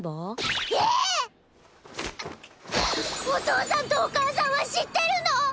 お父さんとお母さんは知ってるの？